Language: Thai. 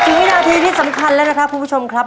วินาทีที่สำคัญแล้วนะครับคุณผู้ชมครับ